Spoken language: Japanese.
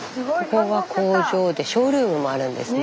ここが工場でショールームもあるんですね。